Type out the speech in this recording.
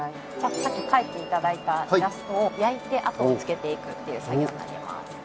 さっき描いていただいたイラストを焼いて痕をつけていくっていう作業になります。